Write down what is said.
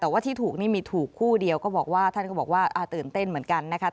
แต่ว่าที่ถูกนี่มีถูกคู่เดียวก็บอกว่าท่านก็บอกว่าตื่นเต้นเหมือนกันนะคะ